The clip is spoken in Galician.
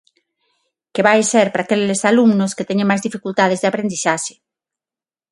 Que vai ser para aqueles alumnos que teñen máis dificultades de aprendizaxe.